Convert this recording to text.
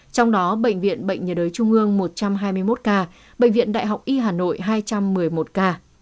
trong đó bệnh viện bệnh nhiệt đới trung ương một trăm hai mươi một ca bệnh viện đại học y hà nội hai trăm một mươi một ca